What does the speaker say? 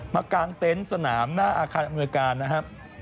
กลางเต็นต์สนามหน้าอาคารอำนวยการนะครับ